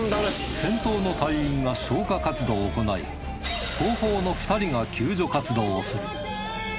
先頭の隊員が消火活動を行い後方の２人が救助活動をする。